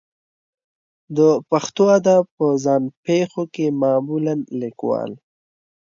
د پښتو ادب په ځان پېښو کې معمولا لیکوال